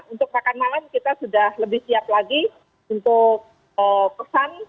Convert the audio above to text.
untuk makan malam kita sudah lebih siap lagi untuk pesan